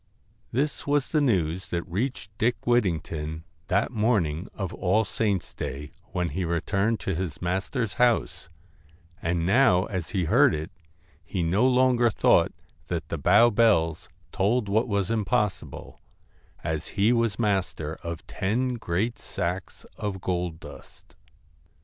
This was the news that reached Dick Whittington that morning of All Saints' Day when he returned to his master's house, and now as he heard it he no longer thought that the Bow bells told what was impossible, as he was master of ten great sacks of gold dust.